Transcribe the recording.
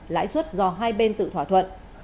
lãi suất do hai bên tự thỏa thuận